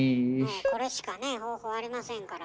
これしかね方法ありませんから。